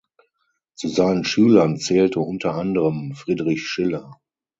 Zu seinen Schülern zählte unter anderem Friedrich Schiller.